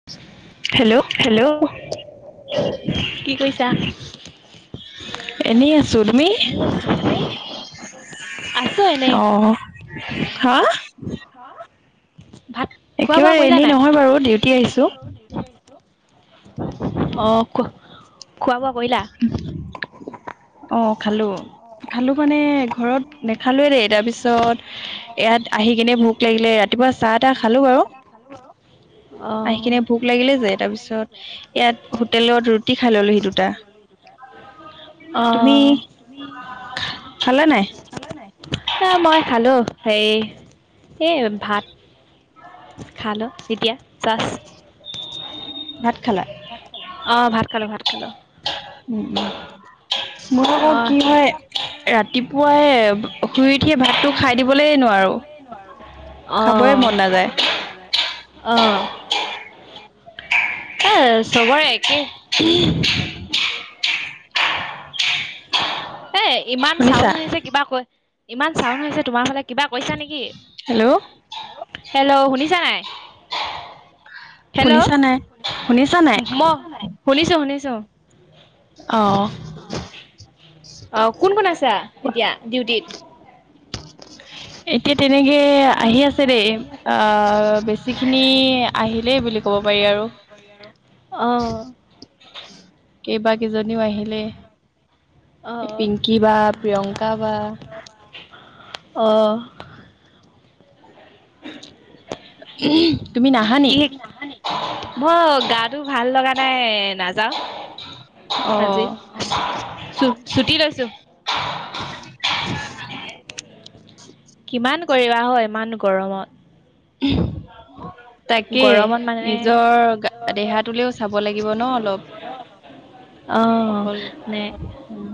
[unintelligible] Hello, কি কৰিছা? এনেই আছোঁ, তুমি? আছো এনেই অ', হা? ভাত খোৱা বোৱা একেবাৰে কৰিলা এনে নাই? নহয় বাৰু ডিউটি আহিছোঁ। [unintelligible] অ', খো, খোৱা বোৱা কৰিলা? অ', খালোঁ, খালোঁ মানে ঘৰত নেখালোৱেই দেই তাৰপিছত তাৰপিছত ইয়াত আহি কিনে ভোক ইয়াত আহি লাগিলে কিনে ৰাতিপুৱা ভোক চাহ লাগিলে, তাহ খালো ৰাতিপুৱা বাৰু চাহ তাহ খালোঁ আৰু। আহি কিনে ভোক লাগিলে যে, তাৰ পিছত ইয়াত হোটেলত ৰুটি খাই ললোহি। দুটা তুমি অ'। খালা নাই খালাঁ নাই? নাই মই খালোঁ হে, এই ভাত খালোঁ এতিয়া যাষ্ট। ভাত খালা? অ', ভাত খালোঁ, ভাত খালোঁ। উম, উম। মোৰ আকৌ অঁ কি হয়‌ ৰাতিপুৱাই শুই উঠিয়ে ভাতটো খাই দিবলেই নোৱাৰোঁ, খাবই মন নাযায়। অ'। এ চবৰে একে। [unintelligible] এ ইমান চাউন শুনিছা হৈ আছে কিবা কৈ, ইমান চাউন হৈছে তোমাৰ ফালে। কিবা কৈছা নেকি? হেল্ল' হেল্ল' শুনিছা নাই? হেল্ল' শুনিছা নাই শুনিছা নাই ম, শুনিছোঁ, শুনিছোঁ। অ'। অ', কোন, কোন আছা এতিয়া ডিউটিত? [unintelligible] এতিয়া তেনেকে আহি আছে দেই আ, বেছি খিনি আহিলেই বুলি ক'ব পাৰি আৰু। অ'। [unintelligible] কেইবা কেইজনীও আহিলে অ' পিংকি বা প্রিয়ংকা বা। অ'। [unintelligible] নি কি, মই গাটো ভাল লগা নাই নাযাও। অ'। চ-চুটি লৈছো। কিমান কৰিবা হ' ইমান গৰমত। [unintelligible] তাকে গৰমত মানে নিজৰ দেহাটোলেও চাব লাগিব ন' অলপ। আহ, মানে উম।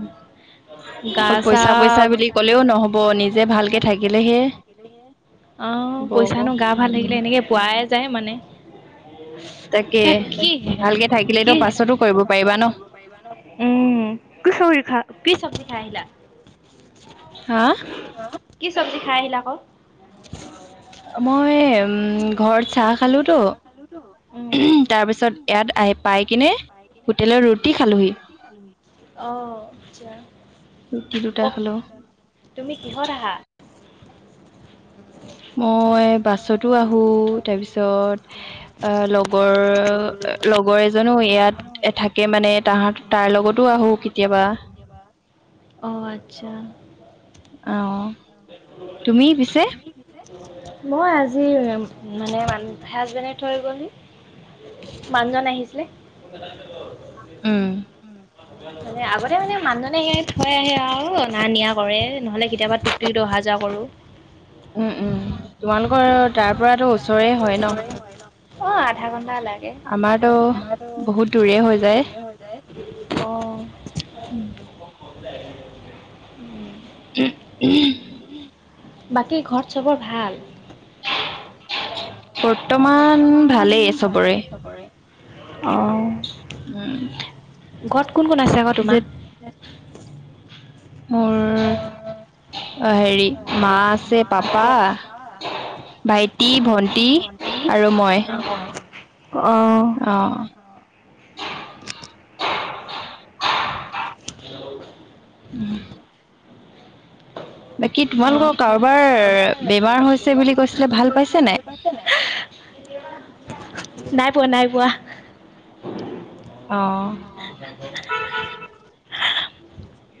গা চা ক'লেও নহব নিজে ভালকে থাকিলেহে অ', হ'ব পইচা আকৌ নো গা ভাল উম থাকিলে এনেকে পোৱাই যায় মানে। তাকে ভালকে থাকিলেতো কি পাছতো কৰিব পাৰিবা ন উম, কি চব খা কি চবজী খাই আহিলা? হা? কি চব্জি খাই আহিলা আকৌ? মই ঘৰত চাহ খালোতো, উম তাৰপিছত ইয়াত আহি পাই কিনে হোটেলৰ ৰুটি খালোহি অ', আছা। ৰুটি দুটা খালো। তুমি কিহত আহা? [inaudible] মই বাছতো আহো তাৰপিছত আহ, লগৰ লগৰ এজনো ইয়াত থাকে মানে তাহাঁ তাৰ লগতো আহোঁ কেতিয়াবা। অ', আচ্ছা। অ', তুমি পিছে? মই আজি মানে হাজবেণ্ডে থৈ গ'লহি। মানুহজন আহিছিলে। উম। আগতে মানে মানুহজনে সেই থৈ আহে আৰু অনা নিয়া কৰে নহ'লে কেতিয়াবা [unintelligible] অহা যোৱা কৰোঁ। উম, উম, তোমালোকৰ তাৰ পৰাতো ওচৰে হয় ন'? অ', আধা ঘন্টা লাগে আধা আমাৰতো ঘন্টা। বহুত দূৰে হৈ যায় অ'। [unintelligible] বাকী ঘৰত চবৰ ভাল? বৰ্তমান ভালেই চবৰে। কৰে। অহ। উম। ঘৰত কোন কোন আছে আকৌ পিছে তোমাৰ? মোৰ হেৰি মা আছে পাপা ভাইটি, ভন্টি আৰু মই। অ'। অ'। হেল্লো [unintelligible] বাকী তোমালোকৰ কাৰোবাৰ বেমাৰ হৈছে বুলি কৈছিলে ভাল পাইছে নাই নাই পোৱা নাই পোৱা অঁ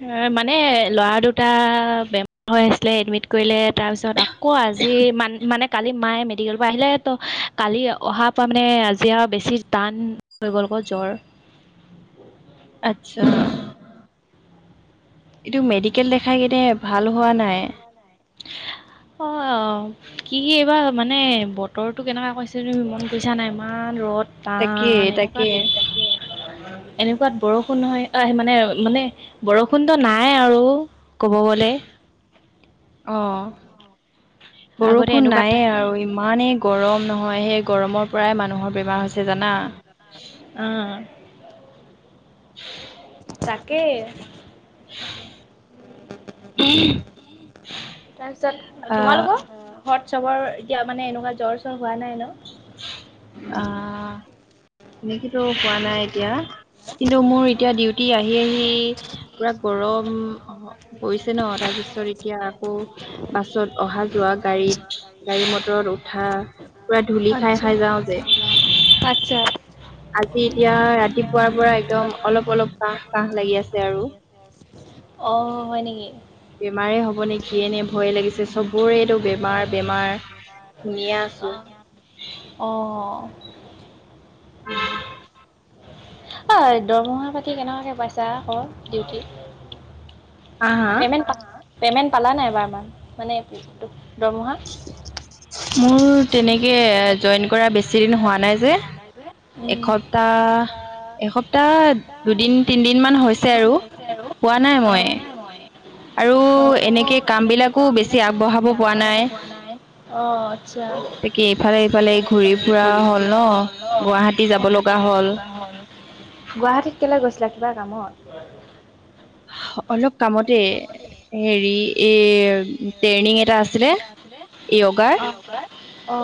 এ মানে ল'ৰা দুটা বেম হৈ আছিলে এডমিট কৰিলে তাৰপিছত আকৌ আজি মান মানে কালি মায়ে মেডিকেলৰ পৰা আহিলে ত কালি অহাৰ পৰা মানে আজি আউ বেছি টান হৈ গ'ল ক জ্বৰ আচ্ছা এইটো মেডিকেল দেখাই কিনে ভাল হোৱা নাই অ অ কি কি এইবাৰ মানে বতৰটো কেনেকুৱা কৰিছে তুমি মন কৰিছা নাই ইমান ৰ'দ ত তাকে নে [inaudible] নু ঘৰ তাকে লট লগ এনেকুৱাত বৰষুণ নহয় আহ মানে মানে বৰষুণতো নাই আৰু ক'ব গ'লে অ আগতে বৰষুণ এনেকুৱাত নাইয়ে আৰু ই ইমানে গৰম নহয় সেই গৰমৰ পৰাই মানুহৰ বেমাৰ হৈছে জানা অ [unintelligible] তাকে আ ঘট চবৰ এতিয়া মানে এনেকুৱা জ্বৰ চ্ছৰ হোৱা নাই ন আহ‌ এনেকেতো হোৱা নাই এতিয়া কিন্তু মোৰ এতিয়া ডিউটি আহি আহি পুৰা গৰম অ পইছ ছে নহ তাৰ পিছত এতিয়া আকৌ বাছত অহা যোৱা গাড়ীত গাড়ী মটৰত উঠা পুৰা ধলি আতছা আচ্ছা আজি এতিয়া ৰাত তিপুৱাৰ পৰা একদম অলপ অলপ কাহ কাহ লাগি আছে আৰু অঁ হয় নেকি বেমাৰে হ'ব নেকিয়ে নে ভয়ে লাগিছে চবৰে এইটো বেমাৰ আছো বেমাৰ আহ অ উম [unintelligible] আ দৰমহা পাতি কেনেকুৱাকে পাইছা ক ডিউটি হা হা পেমেণ্ট পা পেমেণ্ট পালা নাই এবাৰমান মানে দৰমহা মোৰ মোৰ তেনেকে তেনেকে জইন কৰা বেছি জইন দিন কৰা হোৱা নাই বেছি যে হোৱা নাই যে এসপ্তাহ একসপ্তাহ এসপ্তাহ এসপ্তাহ দুদিন তিনদিন দুদিন মান হৈছে তিনদিন আৰু মান হৈছে আৰু পোৱা নাই মই যোৱা নাই মই আৰু আৰু এনেকে কাম এনেকে বিলাকো কাম বেছি বিলাকো আগবঢ়াব বেছি পৰা আগবঢ়াব নাই পৰা নাই অ আচ্ছা তাকে ইফালে ইফালে ঘূৰি ফুৰা হল ন গুৱাহাটী যাব লগা হল অ গুৱাহাটীত কেলে গৈছিলা কিবা কামত হয় [inaudible] হ অলপ কামতে হেৰি এ ট্ৰেইনিং এটা আছিলে য়গাৰ অ', ছাৰ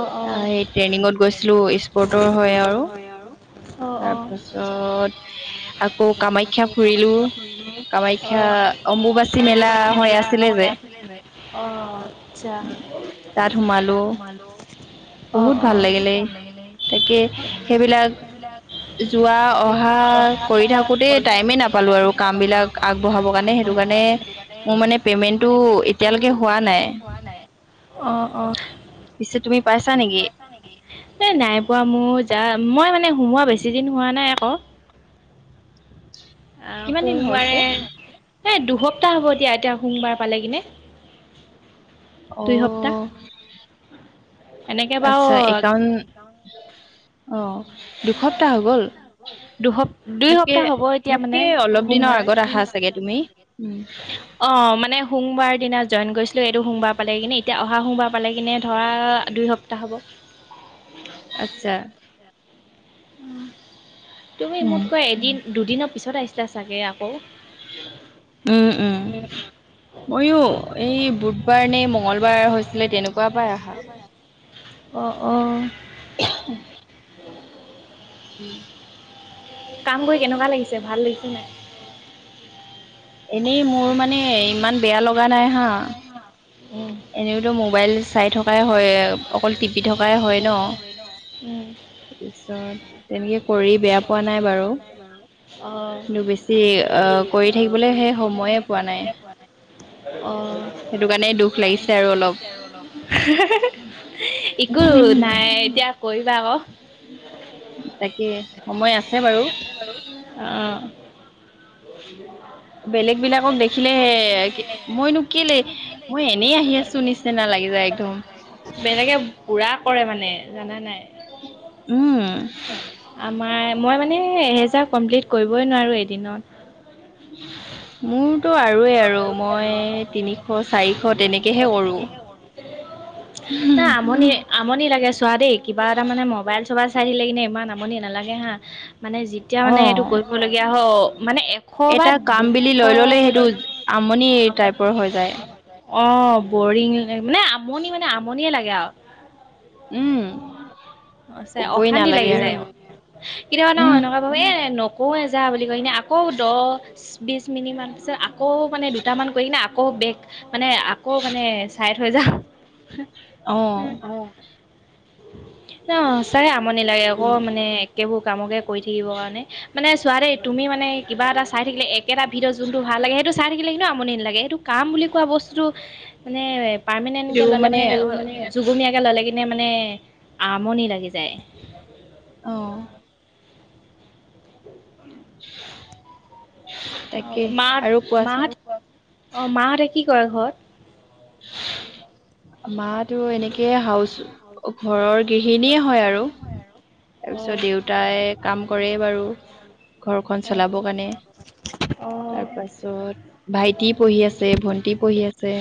আ, এই ট্ৰেইনিঙত গৈছিলো স্পৰ্টৰ হয়। আৰু অ অ অ' তাৰপাছত আকৌ কামাখ্যা ফুৰিলো কামাখ্যা অম্বুবাচী অ' মেলা অম্বুবাচী হৈ মেলা আছিলে হৈ যে আছিলে [unintelligible] অ আচ্ছা, তাত সোমালো তাত মই হেল্ল'। অ', বহুত অ ভাল বহুত লাগিলে ভাল লাগিলে তাকে [unintelligible] সেইবিলাক সেইবিলাক এতিয়া অহা কৰি থাকোতে টাইমেই নাপালো আৰু কামবিলাক আগবঢ়াবৰ কাৰণে সেইটো কাৰণে মোৰ মানে পেমেন্টটো এতিয়ালৈকে হোৱা নাই। অ', অ। পিছে তুমি পাইছা নেকি? এ নাই পোৱা মোৰ যা মই মানে সোমোৱা বেছি দিন হোৱা নাই আকৌ। [inaudible] আহ কিমান দিন সোমবাৰে হৈছে এ দুসপ্তাহ হ'ব এতিয়া এতিয়া সোমবাৰ পালে কিনে। অ। দুই সপ্তাহ এনেকে বাৰু আচ্ছা', একাউম অ, দুসপ্তাহ হৈ গল? দুস দুই মোকে সপ্তাহ হ'ব এতিয়া মানে মোকে অলপ দিনৰ সোমবাৰে আগত আহা চাগে তুমি উম। অ', মানে সোমবাৰ দিনা জইন কৰিছিলোঁ। এইটো সোমবাৰ পালে কিনে এতিয়া অহা সোমবাৰ পালে কিনে ধৰা দুই সপ্তাহ প্তা হ'ব। আচ্ছা। তুমি উম মোতকৈ এদিন দুদিনৰ পিছত আহিছিলা চাগে আকৌ। উম', উম। মইয়ো এই বুধবাৰ নে মঙগলবাৰ হৈছিলে তেনেকুৱা পৰাই আহা। অ', অ। [unintelligible] উম'। কাম কৰি কেনেকুৱা লাগিছে ভাল লাগিছে নাই? এনেই মোৰ মানে ইমান বেয়া লগা নাই হা। এনেওতো মোবাইল চাই থকাই হয়। অকল টিপি অকল থকাই টিপি হয় ন থকাই হয় ন। তাৰপিছত তেনেকে কৰি বেয়া পোৱা নাই বাৰু অঁ কিন্তু বেছি অ কৰি থাকিবলৈ সেই সময়ে পোৱা নাই। অ', সেইটো কাৰণে দুখ সেইটো লাগিছে কাৰণেইটো। আৰু অলপ লাগিছে আৰু অলপ [unintelligible] একো নাই এতিয়া কৰিবা আক। তাকে সময় আছে বাৰু। অ। [unintelligible] বেলেগ বিলাকক দেখিলে হে মইনো কেলে মই এনেই আহি আছো নিচ নিচিনা লাগি যায় একদম। বেলেগে পুৰা কৰে মানে জানা নাই? উম'। আমাৰ মই মানে এহেজাৰ কমপ্লিট কৰিবই নোৱাৰোঁ এদিনত। মোৰতো আৰুৱেই আৰু মই তিনিশ চাৰিশ তেনেকেহে কৰো। নাই আমনি আমনি লাগে চোৱা দেই কিবা এটা মানে মবাইল চবাইল চাই থাকিলে কিনে ইমান আমনি নালাগে হা মানে যেতিয়া মানে এইটো অ কৰিবলগীয়া হ মানে বা এটা কাম দুশ বিলি লৈ ললে সেইটো কৰিলে আমনি টাইপৰ হৈ যায়। অ', বৰিং মানে আমনি মানে আমনিয়ে লাগে আৰু। উম কবই অশান্তি নালাগে লাগি আৰু যায় অ। কেতিয়াবা ন উম এনেকুৱা এ নকৌয়ে জা বুলি কৈকিনে আকৌ দহ, বিছ মিনিট মান পিছত আ কৌ মানে দুটামান কৰিকিনে আকৌ বেগ মানে আকৌ মানে চাইড হয় যাওঁ। অ'। সঁচাকে আমনি লাগে ক সেইটো মানে একেবোৰ কামকে কৰি থাকিব কাৰণে। মানে চোৱা দেই তুমি মানে কিবা এটা চাই থাকিলে একেটা ভিডঅ' যোনটো ভাল লাগে সেই এইটো চাই থাকিলে এনেও আমনি নালাগে, এইটো কাম বুলি কোৱা বস্তু মানে পাৰ্মানেণ্টকে ললে মানে জুগুমীয়াকে ললে কিনে মানে আমনি লাগি যায়। অ'। অ' তাকে মা আৰু কোৱাচোন। মাহঁত অ', মাহঁতে কি কৰে ঘৰত? মাটো এনেকে হাউচ ঘৰৰ গৃহিনীয়ে হয় আৰু তাৰ পিছত অ'। দেউতাই কাম কৰে বাৰু, ঘৰখন অ', চলাব কাৰণে। তাৰ অ', পাছত ভাইটি পঢ়ি আছে, ভন্টি পঢ়ি আছে।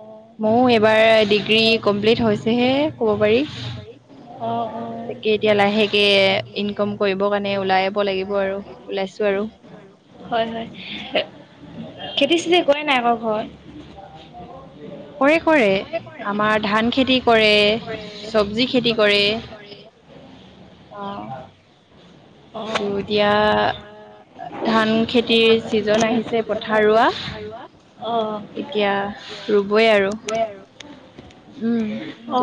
অ'। ময়ো এইবাৰ ডিগ্ৰী কমপ্লিট হৈছেহে ক'ব পাৰি। অ অ তাকে এতিয়া লাহেকে ইনকম কৰিব কাৰণে ওলাই আহিব লাগিব আৰু ওলাইছো আৰু হয় হয়, খেতি চেতি একোৱে নাই ক ঘৰত। [unintelligible] কৰে কৰে, আমাৰ ধান খেতি কৰে, চবজি খেতি কৰে। কৰে। অ এইটো এতিয়া ধান খেতিৰ ছিজন আহিছে পথৰৰোৱা। অ', এতিয়া ৰুবই আৰু। উম,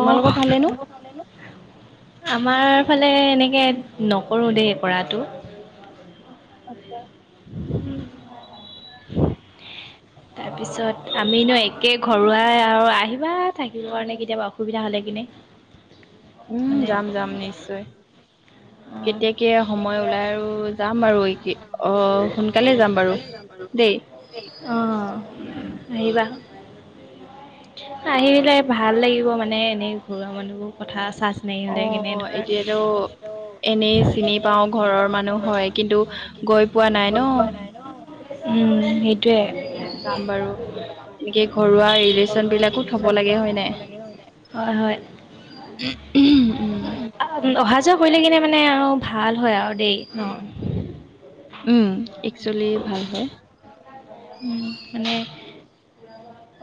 অ'। ফলেনো আমাৰ ফালে এনেকে নকৰোঁ দেই কৰাটো। আটচ্ছা। তাৰপিছত আমিনো একে ঘৰুৱাই আৰু আহিবা থাকিবৰ কাৰণে কেতিয়াবা অসুবিধা হ'লে কেনে। উম যাম যাম নিশ্চয় অ', কেতিয়াকে সময় ওলাই আৰু যাম বাৰু অ সোনকালে যাম বাৰু। দেই অ আহিবা, আহিলে ভাল লাগিব মানে এনে ঘৰুৱা মানুহবোৰ। কথা চা- চিনাকী হলে কেনে অ', এতিয়াতো ধৰ এনেই চিনি পাও ঘৰৰ মানুহ হয় কিন্তু গৈ পোৱা নাই ন। উম সেইটোয়ে। যাম বাৰু, এনেকে ঘৰুৱা ৰিলেচন বিলাকো থব লাগে হয় নাই হয় হয়। উম। অহা যোৱা কৰিলে কিনে মানে আৰু ভাল হয় আৰু দেই অ'। উম'একচুৱেলি ভাল হয়। উম মানে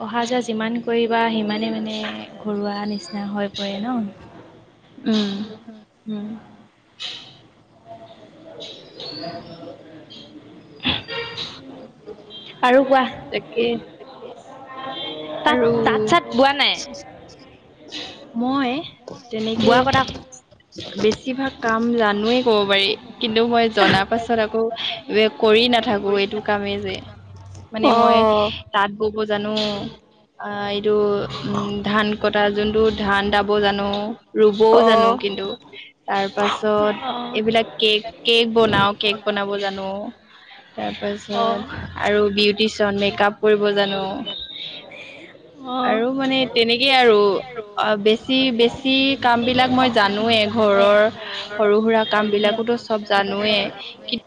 অহা যোৱা যিমান কৰিবা সিমানে মানে ঘৰুৱা নিচিনা হৈ পৰে ন। উম উম। [unintelligible] [unintelligible] আৰু কোৱা। তাকে। তাত, আৰু তাত চাত বোৱা নাই? মই তেনেকে বোৱা কটা বেছিভাগ কাম জানোৱেই ক'ব পাৰি। কিন্তু মই জনা পাছত আকৌ ৱে কৰি নাথাকো এইটো কামেই যে। মানে অ মই তাঁত বব জানো, আ এইটো উম ধান কতা যোনটো ধান দাব জানো, ৰুবও জানো অ', কিন্তু। অ', তাৰপাছত এইবিলাক কেক কেক বনাও কেক বনাব জানো। অ', তাৰপাছত আৰু বিউটিচন মেকাপ কৰিব জানো। আৰু মানে অঁহ। তেনেকেই আৰু অ বেছি বেছ যি কাম বিলাক মই জানোৱেই, ঘৰৰ সৰু সুৰা কাম বিলাকতো চব জানোৱে কি